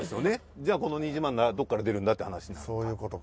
じゃこの２０万どっから出るんだって話になるのか。